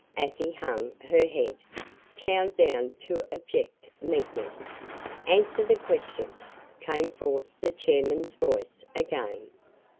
Afy hung her head, cowed down to abject meekness. "Answer the question," came forth the chairman's voice again.